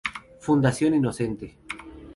Fundación Inocente.